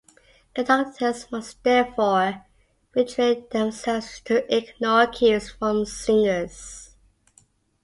Conductors must therefore retrain themselves to ignore cues from singers.